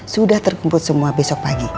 sudah terkumpul semua besok pagi